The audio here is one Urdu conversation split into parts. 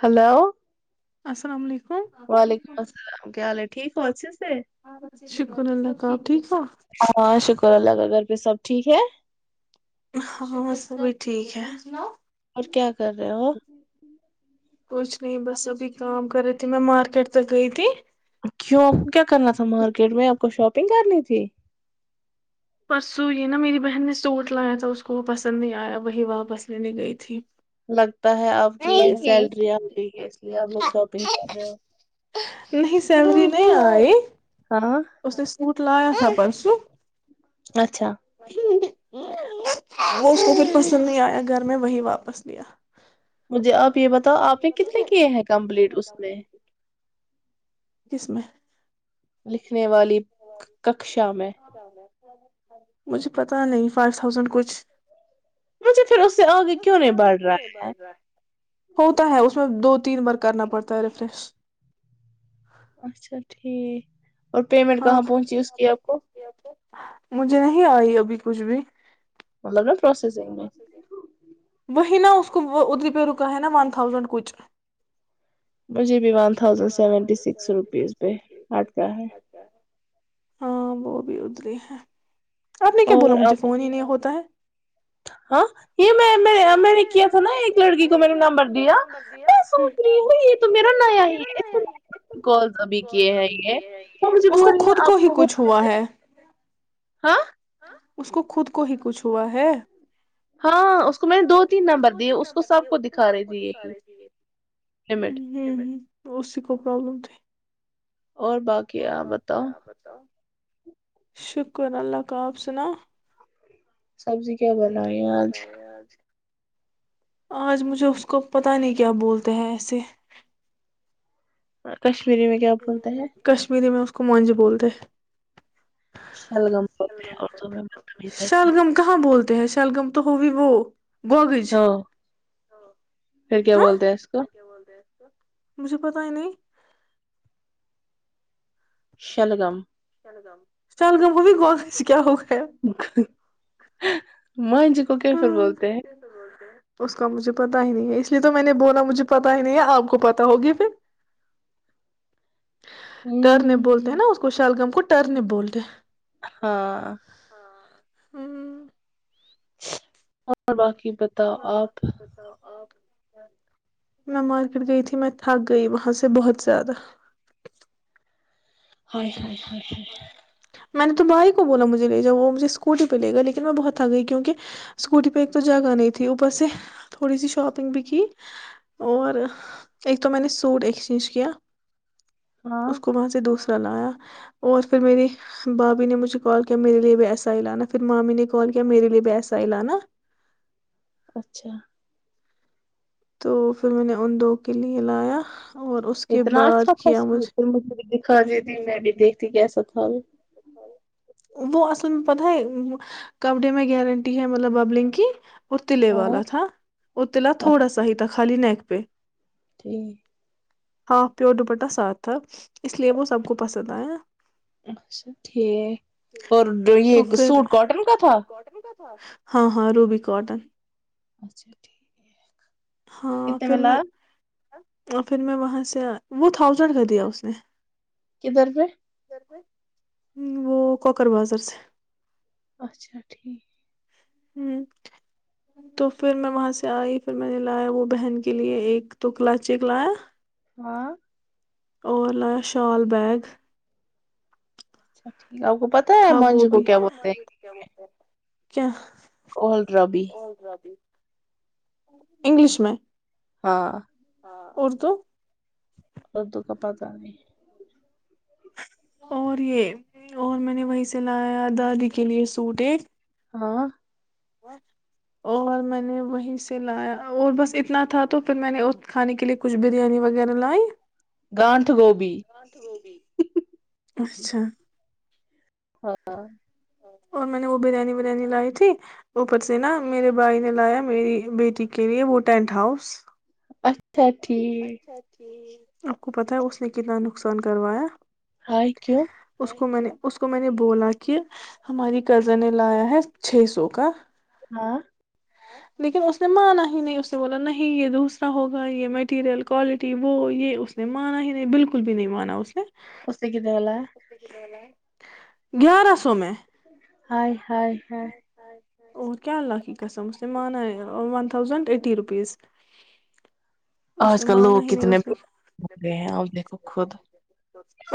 ہلو السلام علیکم وعلیکم السلام کیا حال ہے ٹھیک پچے شکر اللہ کا آپ ٹھیک ہو [unintelligible] ہاں شکر اللہ کاگر پ سب ٹھیک ہے کیاا سناؤ اور کیا کر رہے ہو کچھ نہیں بس سبھی کا کر تھی میں مارکیٹ پک گ تھی کیوں آپ کو کیا کرنا تھا مارکیٹ میں آپ کو شاپنگ کرنی تھی پرسوں یہ نا میری بہن نے سوٹ لایا تھا اس کو وہ پسند نہیں آیا وہی واپس لینے گئی تھی لگتا ہے آپ کی سیلریا ہوتیی اس لیے آپ لوگ شاپنگ کر رہے ہو نہیں سیلری نہیں آئے ہاں لا تھا پر پرسوں اچھا مش [unintelligible] وہ اس کو پھر پسند نہیں آیا گھر میں وہی واپس لیا مجھے آپ یہ بتاؤ آپ نے کتنے کیے ہیں کمپلیٹ اس میں کس میں لکھ [unintelligible] لکھنے والی ککشا میں مجھے پتا نہیں فائیو تھاؤزینڈ کچھ مجھے پھر اس سے آگے کیوں نہیں بڑھ رہا ہے ہوتا ہے اس میں دو تین مر [unintelligible] کرنا پڑتا ہے ریفریش اچھا ٹھیک اور پیمنٹ ہاں کہاں پہنچی اس کی آپ کو مجھے نہیں آئی ابھی کچھ بھی مطلب پروسیسنگ میں وہی نہا اس کو وہ ادری پہ رکا ہے نا ون تھاؤزینڈ کچھ مجھے بھی one thousand seventy six rupees پہ آٹ کا ہے ہاں وہ بھی ادھری ہیں آپ نے کیا بولا اور مجھے اب فون ہی نہیں ہوتا ہے ہاں یہ میں میں نے کیا تھا نا ایک لڑکی کو میں نے نمبر دیا میں سوچ رہی ہ یہ تو میرا نیا ہی کال ابھی کیے ہیں یہ وہ مجھے اس کو بول رہی خود آپ ہی کو کچھ ہوا ہے ہاں اس کو خود کو ہی کچھ ہوا ہے ہاں اس کو میں نے دو تین ہاں نمبر دو ت دیے اس کو نمبر سب کو س دکھا رہی کو تھی دکھا یہی رہی ت لمٹ اس کولم ت اور باقی یہ بتاؤ شکر اللہ کا آپ سنا سبزی کیا بنا یہ آج آج مجھے اس کو پتہ نہیں کیا بولتے ہیں ایسے کشیر میں کیا بولتے ہیں کومان جی بولتے شلگم بولتے ہیں اردو میں بدتمیز لڑکی شلگم کہاں بولتے ہیں شلگم تو ہو بھی وہ [inaudible] گوگج ہاں پھر کیا ہاں بولتے ہیں اس کو مجھے پتا ہی نہیں شلگم شل گماب بھی گوا کیا ہوگ اک ہ ماں جی کو کی پھر گیا بولتے ہیں اس کا مجھے پتا ہی نہیں ہے اس لیے تو میں نے بولا مجھے پتا ہی نہیں ہے آپ کو پتا ہوگی پھر ٹرنے بولتے ہیں ہوں نا اس کو شالگم کو ترنے بولتے ہاں ہوں اور باقی بتاؤ اور بس آپ یہ توتاؤ آپ میں مارکیٹ گئی تھی میں تھک گئی وہاں سے بہت زیادہ [unintelligible] میں نے تو بھائی کو بولا مجھے لے جا وہ مجھے اسکوٹی پہ لے گا لیکن میں بہت تھک گئی کیونکہ اسکوٹی پہ ایک تو جگہ نہیں تھی اوپر سے تھوڑی سی شاپنگ بھی کی اور ایک تو میں نے سوٹ ایکسچینج کیا ہاں اس کو وہاں سے دوسرا لایا اور پھر میری بھابھی نے مجھے کال کیا میرے لیے بھی ایسا ہی لانا پھر مامی نے کال کیا میرے لیے بھی ایسا ہیلانا اچھا تو پھر میں نے ان دو کے لیے لایا اور اس کے اتنا بعد اچھا ک کیا مجھے مجھے ہاں جی تی میںبھی دیکھتی کیسا تھا ابھی وہ اصل میں پتہ ہے کپ ڈے میں گارنٹی ہے مطلب ببلنگ کی اور تلے ہاں والا تھا اور تلا تھوڑا سا ہی تھا خالی نیک پ تین ہاں پیور دوپٹہ ساتھ تھا اس لیے وہ سب کو پسند آیاا اچھا ٹھیک اور جو تو یہ پھر سوٹ کاٹن کا سٹ تھا ہاں ہاں روب کاٹن اچھا ٹھیک ہے ہاں پھر میں اور پھر میں وہاں سے وہ تھاؤزینڈ کا دیا اس نے کدھر پہ ہ وہ کوکر بازر سے اچھا ٹھیک ہ تو پھر میں وہاں سے آئی پھر میں نے لایا وہ بہن کے لیے ایک تو کلا چیک لایا ہاں اور لایا شال بیگ اچھا ٹھیک ا کو پتا ہے تھا وہ منجو کو بھی کیا بولتے ہیں کیا اور اور رابھی انگلش میں ہاں اردو اد کا پت نہیں اور یہ اور میں نے وہی سے بنایا دادی کے لیے سوٹ ایک ہاں اور میں نے وہیں سے لایا اور بس اتنا تھا تو پھر میں نے اس کھانے کے لیے کچھ بریانی وغیرہ لائی گانھ گوبھی اچھا ہاں اور میں نے وہ بریانی بریانی لائی تھی اوپر سے نا میرے بھائی نے لایا میری بیٹی کے لیے وہ ٹینٹ ہاؤس اچ اچھاچ جی آپ کو پتا ہے اس نے کتنا نقصان کروایا ہائے کیوں اس کو میں نے اس کو میں نے بولا کہ ہماری کزن نے لایا ہے چھ سو کا ہاں لیکن اس نے مانا ہی نہیں اس نے بولا نہیں یہ دوسرا ہوگا یہ میں مٹیریلکالٹی وہ یہ اس نے مانا ہی نہیں بالکل بھی نہیں مانا اس نے اسے کتنے والا ہے گیارہ سو میں ہ ہ اور کیا لکی قسم مانا ون تھاؤزنڈ ایٹی روپیز اس آج نے کل مانا لوگ ہی نہیں کتنے اس نے ہو گئے ہیں ا دیکھو خود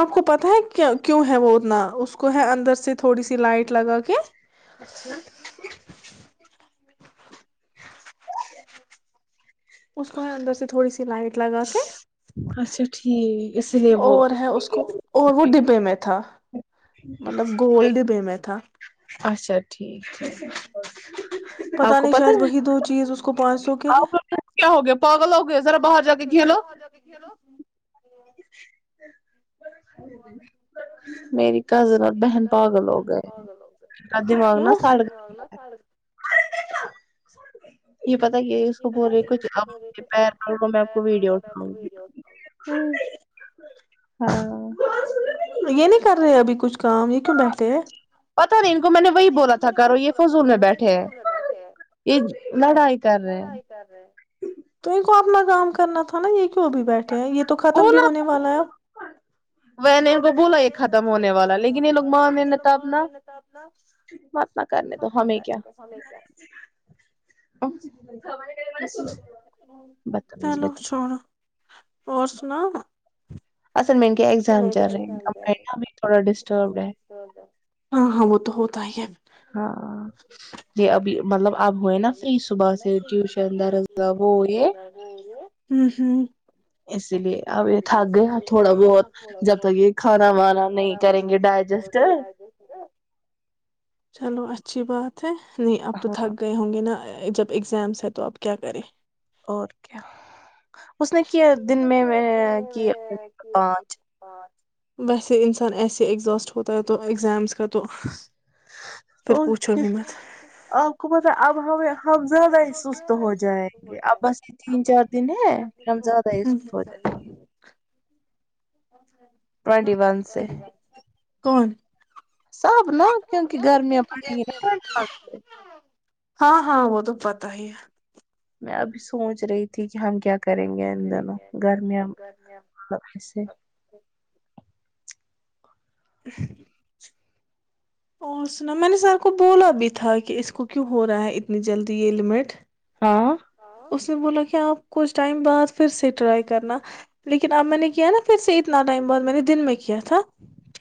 آپ کو پتا ہے کیوں ہے وہ اتنا اس کو ہے اندر سے تھوڑی سی لائٹ لگا کے اچھا [unintelligible] اس کو ہے اندر سے تھوڑی سی لائٹ لگا کے اچھا ٹھیک اسی لیے وہ اور ہے اس کو اور وہ ڈبے میں تھا مطلب گولڈ بے میں تھا ٹھیک ٹھیک آپ پتا کو نہیں شاید ہے وہی دو چیز اس کو پانچ سو کے ہیں آپ لوگ کیا ہو گیا پاگل ہو گئے ذرا باہر جا کے کھیلو میری کزن اور بہن پاگل ہو گئے ہیں ہال ا پتا ہی ہے اس کو بول رہے کچھ ا پیر پر میں کو ویڈیو اٹھاؤں گی ہ ہاں یہ نہیں کر رہے ہیں ابھی کچھ کااں یکم بیٹھے ہیں ان کو میں نے وہی بولا تھا کرو یہ فضول میں بیٹھے ہے یہ لڑائی کر رہے تو ان اپنا کام کرنا تھا نا یہ کیوں ابھی بیٹھے ہیں یہ تو ختم بھی بولا ہونے والا ہے اب۔ وہ نے ان کو بولا یہ ختم ہونے والا لیکن یہ لوگ ماں م نے تھا اپنا مت نہ کرنے تو ہمیں کیا بدتمیز چلو چھوڑو اور سنا اصل میں ایگزام چل رہے ہیں مہاب تھوڑا ڈسٹربڈ ہے ہاں وہ تو ہوتا ہی ہے ہاں جی ابھی مطلب اب ہوئے نا فری صبح ا سے ٹیوشن درزہ وہ یہ ہوں ہوں اسی لیے اب یہ تھک گیا تھوڑا بہت جب تک یہ کھانا وانا نہیں کریں گے ڈائجسٹ ا نہیں آپ تو ہاں تھک گئے ہوں گے نا جب ایگزامس ہے تو اب کیا کریں اور کیا اس نے کیا دن میں کہ پانچ ویسے انسان ایسے ایگزاسٹ ہوتا ہے تو ایگزامس کا تو پھر پانچ پوچھو بھی مت آپ پتا اب ہم ہم زیادہ ہی سست ہو جائیں گے اب بس یہ تین چار دن ہے ہم زیادہ ہی سست ہو جائیں گے ٹوینٹی ون سے کون سب نا کیونکہ گرمیاں پڑیں گی نا ٹ و سے ہاں ہاں وہ تو پتا ہی ہے میں ابھی سوچ رہی تھی کہ ہم کیا کریں گے ان دونوں گرمیاں سے ج اور سنا میں نے سر کو بولا بھی تھا کہ اس کو کیوں ہو رہا ہے اتنی جلدی یہ لمٹ ہاں اس نے بولا کہ آپ کچھ ٹائم بعد پھر سے ٹرائی کرنا لیکن اب میں نے کیا نا پھر سے اتنا ٹائم بعد میں نے دن میں کیا تھا ھ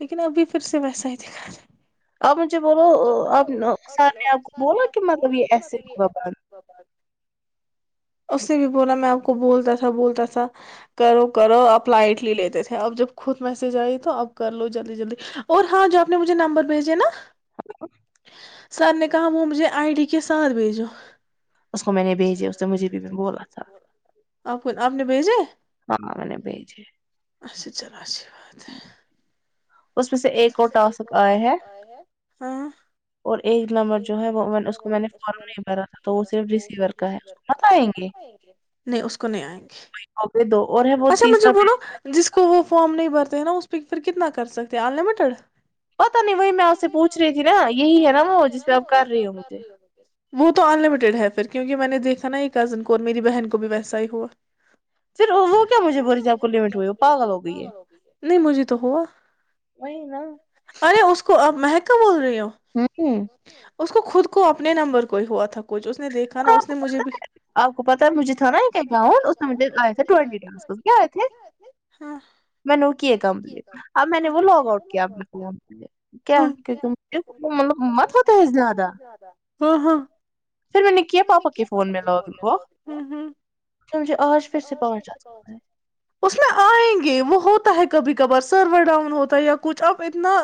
لیکن ابھی پھر سے ویسا ہی دکھا رہا آپ مجھے بولو آپ سر نے آپ کو بولا کہ مطلب یہ ایسے ہو ب اس سے بھی بولا میں آپ کو بولتا تھا بولتا تھا کرو کرو آپ لائٹلی لیتے تھے اب جب خود میسج آئی تو اپ کر لو جلدی جلدی اور ہاں جو آپ نے مجھے نمبر بھیجے نا سار کا وہ مج جے آئی ڈی کے ساتھ بھیجو اس کو میں نے بھیجے اس نے مجھے بھی بولا بی تھا م کون اپنے بھیجے ہاں م نے پج چلا اچھی بات ہے اس میں سے ایک اور ٹاسک آیا ہے اور ایک نمبر جو ہے وہ میں اس کو میں نے فارم نہیں بھرا تھا تو وہ صرف ریسیور کا ہے اس کو مت آئیں گے نہیں آئیں گے ہو گئے دو اور ہے وہ اچھا مجھے تیسرا بولو جس کو وہ فم نہیں بھر ہے نا اس پک پھر کتنا کر سکتے ہیں آن لمٹ ککڑ پتا نہیں وہی میں آپ سے پوچھ رہی تھی نا یہی ہے نا وہ جس پ آپ کر رہی ہو مجھے وہ تو ان لمٹیڈ ہے پھر کیونکہ میں نے دیکھا نا یہ کزن کو اور میری بہن کو بھی ویسا ہی ہوا پھر وہ کیا مجھے بول رہی تھی آپ کو لمٹ ہوئی وہ پاگل ہو گئی ہے نہیں مجھے تو ہوا وہی نا ارے اس کو اب محک بول رہے ہو ہاں اس کو خود کو اپنے نمبر کو ہی ہوا تھا کچھ اس نے دیکھا آپ کو ناجھ آپ کو پتا ہے مجھے تھا نا ایک اکاؤنٹ اس میں مجھے آئے تھے ٹوینٹی ٹاسک کیا آئے تھے میں نے وہ کیے کمپلیٹ اب میں نے وہ کیا ف کیا ہاں کیک مل مت ہوتے ہے زیادہ ہاں ہاں پھر میں نے کیا پاپا کے فون میں لاگ ان کو تو مجھے آج پھر سے پانچ ڈالنا اس میں آئیں گے وہ ہے کبھی کبھار سرور ڈاؤن ہوتا یا کچھ اب اتنا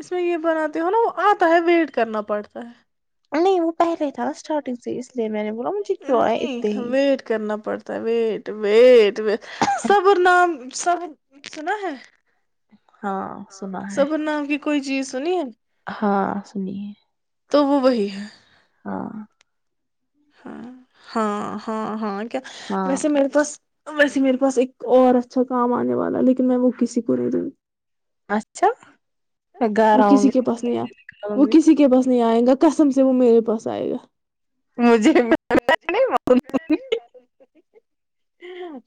اس میں یہ بناتے ہو نا وہ آتا ہے ویٹ کرنا پڑتا ہے نہیں وہ پہلے تھا اسٹارٹنگ سے اس لیے میں نے بولا مجھے کیوں آئے اتنے ہی بیٹ بیٹ بی صبر نام سب سنا ہے ہاں سنا ہے صبر نام کی کوئی چیز سنی ہےی ہاں سنیے تو وہ وہی ہے ہاں ہاں ہاں ہاں ہاں کیا ہاں ویسے میرے توس ویسے میرے پاس ایک اور اچھا کام آنے والا لیکن میں وہ کسی کو نہیں دوں گی اچھا میں گھر وہ آؤں کسی کے پاس نہیں ار گی وہ آؤں گی کسی کے پاس نہیں آئے گا کسم سے وہ میرے پاس آئے گا مجھے نہیں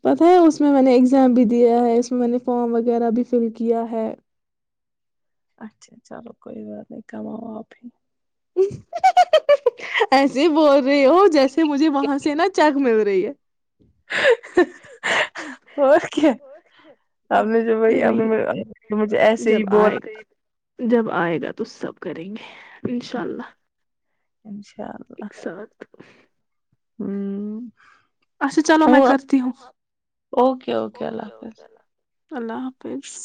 پتہ ہے اس اس میں میں نے ایگزام بھی دیا ہے اس میں میں نے فارم وغیرہ بھی فل کیا ہے اچھا چلو کوئی بات نہیں کماؤ آپ ہی ایسے بول رہے ہو جیسے مجھے وہاں سے نا چک مل رہی ہے اور کیا آپ نے جو ارے بھائی آپ نے مجھے مجھے نہیں ایسے جب ہی بولا آئے گا جب آئے گا تو سب کریں گے انشاء اللہ انشاء ایک اللہ ساتھ ہوں اچھا چلو میں وہ کرتی ہوں اوکے اوکے اللہ حافظ اللہ حافظ